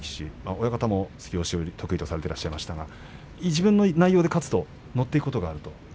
親方も突き押しを得意としていましたが自分の内容で勝つと乗っていくことがあると。